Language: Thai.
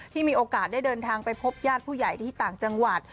มีโอกาสได้เดินทางไปพบญาติผู้ใหญ่ที่ต่างจังหวัด